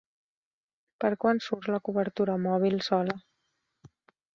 Per quan surt la cobertura mòbil sola?